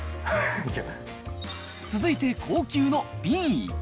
続いて高級のＢ。